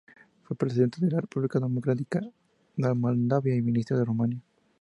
Fue presidente de la República Democrática de Moldavia y ministro en Rumania.